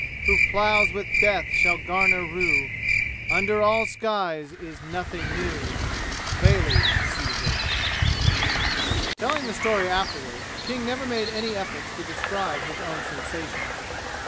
Who ploughs with death shall garner rue, And under all skies is nothing new. Vale, Caesar! Telling the story afterward King never made any effort to describe his own sensations.